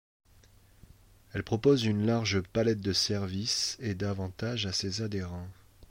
Elle propose une large palette de services et d'avantages à ses adhérents.